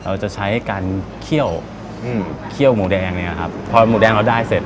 เราจะใช้การเคี่ยวอืมเคี่ยวหมูแดงเนี้ยครับพอหมูแดงเราได้เสร็จ